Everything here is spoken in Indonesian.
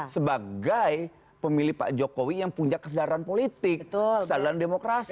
sebagai pemilih pak jokowi yang punya kesadaran politik kesadaran demokrasi